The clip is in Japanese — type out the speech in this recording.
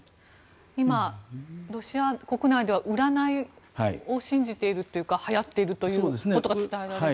今、ロシア国内では占いを信じているというかはやっているということが伝えられて。